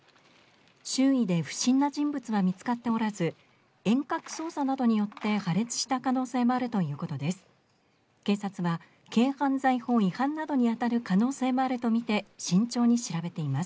周囲で不審な人物は見つかっておらず遠隔操作などによって破裂した可能性もあるということです